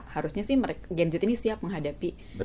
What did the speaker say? harusnya sih gadget ini siap menghadapi